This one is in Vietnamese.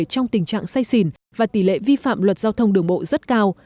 trong tình trạng say xỉn và tỷ lệ vi phạm luật giao thông đường bộ rất cao